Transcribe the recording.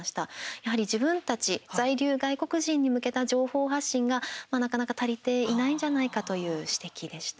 やはり、自分たち在留外国人に向けた情報発信がなかなか足りていないんじゃないかという指摘でした。